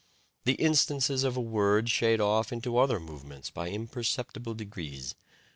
The instances of a word shade off into other movements by imperceptible degrees.